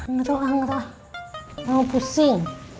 ngerah ngerah mau pusing